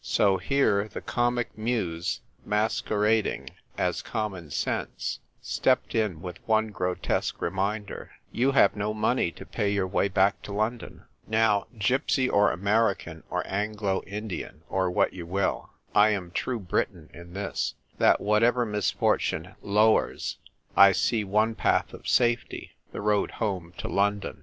So here, the comic muse, masqueradingas Common 254 THE TYPE WRITER GIRL. Sense, steppedinvvith one grotesque reminder: " You have no money to pay your way back to London." Now, gypsy or American or Anglo Indian or what you will, I am true Briton in this, that whatever misfortune lowers, I sec one path of safety — the road home to London.